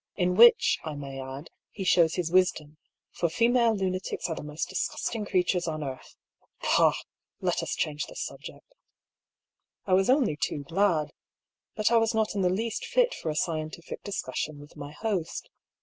In which, I may add, he shows his wisdom, for female lunatics are the most disgusting creatures on earth. Pah ! let us change the subject." I was only too glad. But I was not in the least fit for a scientific discussion with my host.